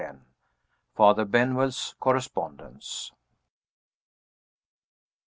FATHER BENWELL'S CORRESPONDENCE.